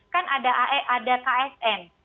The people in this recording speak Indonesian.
kan ada ksn